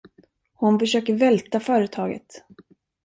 Hon försöker välta företaget.